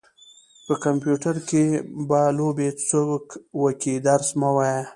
په کمپيوټر کې به لوبې څوک وکي درس مه وايه.